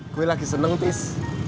gue lagi seneng tis